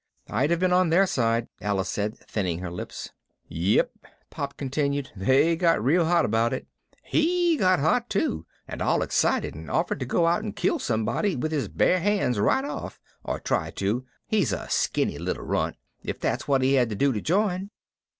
"I'd have been on their side," Alice said, thinning her lips. "Yep," Pop continued, "they got real hot about it. He got hot too and all excited and offered to go out and kill somebody with his bare hands right off, or try to (he's a skinny little runt), if that's what he had to do to join.